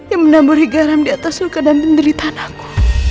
yang menaburi garam di atas luka dan penderitaan aku